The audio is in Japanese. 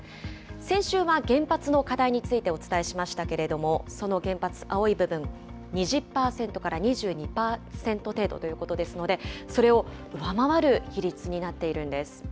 先週は原発の課題についてお伝えしましたけれども、その原発、青い部分、２０％から２２％程度ということですので、それを上回る比率になっているんです。